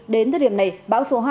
đến thời điểm này báo số hai